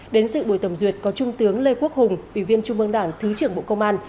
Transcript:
đến sự buổi tổng duyệt có trung tướng lê quốc hùng ủy viên trung mương đảng thứ trưởng bộ công an